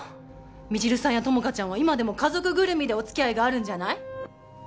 未知留さんや友果ちゃんは今でも家族ぐるみでお付き合いがあるんじゃない？